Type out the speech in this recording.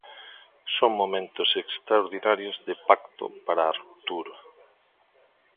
Son momentos extraordinarios de pacto para a ruptura.